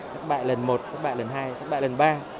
thất bại lần một thất bại lần hai thất bại lần ba